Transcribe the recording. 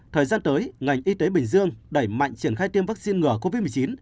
thời gian tới ngành y tế bình dương đẩy mạnh triển khai tiêm vaccine ngừa covid một mươi chín